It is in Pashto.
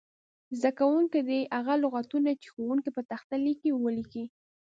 زده کوونکي دې هغه لغتونه چې ښوونکی په تخته لیکي ولیکي.